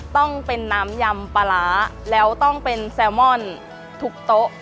ต้องเป็นน้ำยำปลาร้าแล้วต้องเป็นแซลมอนทุกโต๊ะ